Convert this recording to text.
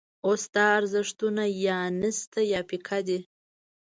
اوس دا ارزښتونه یا نشته یا پیکه دي.